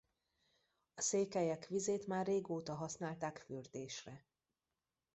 A székelyek vizét már régóta használták fürdésre.